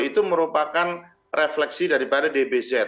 itu merupakan refleksi daripada dbz